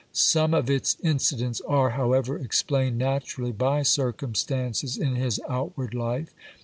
Some of its incidents are, how ever, explained naturally by circumstances in his outward life.